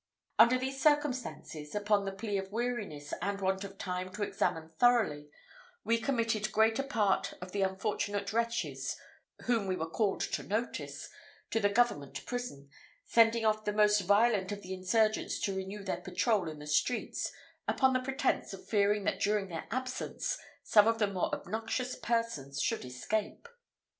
Under these circumstances, upon the plea of weariness and want of time to examine thoroughly, we committed greater part of the unfortunate wretches, whom we were called to notice, to the government prison, sending off the most violent of the insurgents to renew their patrol in the streets, upon the pretence of fearing that during their absence some of the more obnoxious persons should escape.